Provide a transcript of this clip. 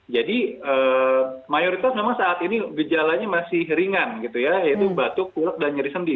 jadi mayoritas memang saat ini gejalanya masih ringan gitu ya yaitu batuk kulak dan nyeri sendi